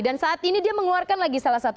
dan saat ini dia mengeluarkan lagi salah satu itu